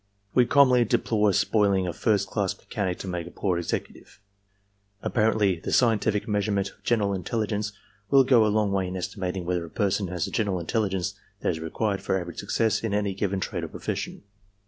We commonly \deplore spoiling a first class mechanic to make a poor executive. ^Apparently the scientific measurement of general intelligence will go a long way in estimating whether a person has the general intelligence that is required for average success in any given trade or profession.